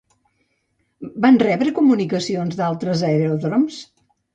Van rebre comunicacions d'altres aeròdroms?